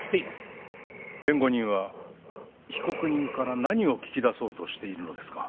弁護人は被告人から何を聞き出そうとしているのですか？